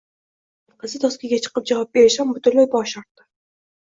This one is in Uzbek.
Chunki uning qizi doskaga chiqib javob berishdan butunlay bosh tortdi.